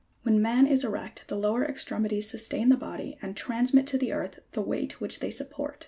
83. When man is erect, the lower extremities sustain the body and transmit to the earth the weight which they support.